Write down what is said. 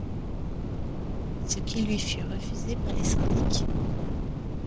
Ce qui lui fut refusé par les syndics.